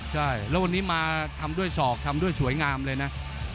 ใช่แล้ววันนี้มาทำด้วยศอกทำด้วยสวยงามเลยนะ